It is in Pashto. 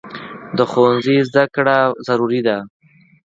د ښوونځي زده کړه ضروري ده.